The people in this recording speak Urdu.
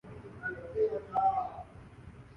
تمام اخراجات متعلقہ محکمہ ادا کرے گا